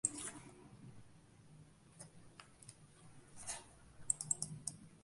En sus últimos años concedió su favor ciertos alquimistas que le prometieron la inmortalidad.